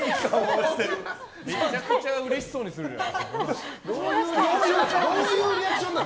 めちゃくちゃうれしそうにするじゃん。